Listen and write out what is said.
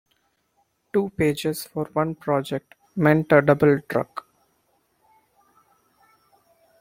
Two pages for one project meant a double truck.